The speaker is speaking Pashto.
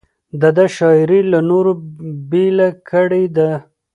د ده شاعري له نورو بېله کړې ده.